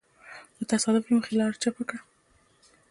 د تصادف له مخې لاره چپ کړي.